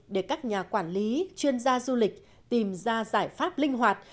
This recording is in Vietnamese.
để các nhà quản lý chuyên gia du lịch tìm ra giải pháp linh hoạt